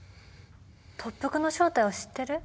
特服の正体を知ってる？